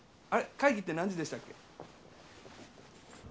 会議って何時でしたっけ？